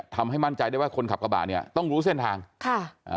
ทำให้มั่นใจได้ว่าคนขับกระบะเนี่ยต้องรู้เส้นทางค่ะอ่า